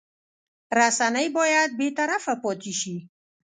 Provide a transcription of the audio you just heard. رسنۍ باید بېطرفه پاتې شي.